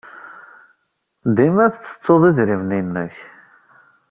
Dima tettettud idrimen-nnek.